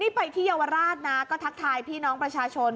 นี่ไปที่เยาวราชนะก็ทักทายพี่น้องประชาชน